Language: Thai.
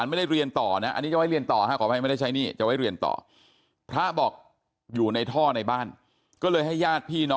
มีคนเอาไปซ่อน